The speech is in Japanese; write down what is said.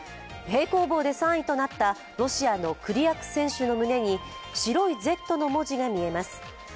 平行棒で３位となったロシアのクリアク選手の胸に白いＺの文字が見えます。